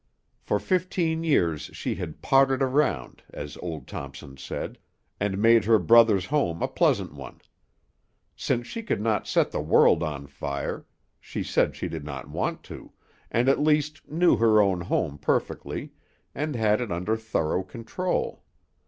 For fifteen years she had "pottered around," as old Thompson said, and made her brother's home a pleasant one. Since she could not set the world on fire, she said she did not want to, and at least knew her own home perfectly, and had it under thorough control.